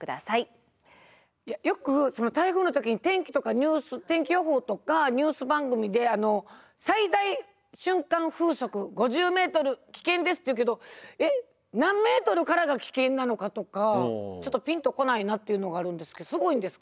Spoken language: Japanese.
よく台風の時に天気予報とかニュース番組で最大瞬間風速５０ｍ危険ですって言うけど何ｍからが危険なのかとかちょっとピンと来ないなっていうのがあるんですけどすごいんですか？